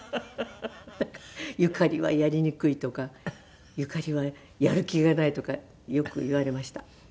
「ゆかりはやりにくい」とか「ゆかりはやる気がない」とかよく言われました。